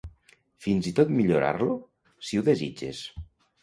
Fins i tot millorar-lo, si ho desitges.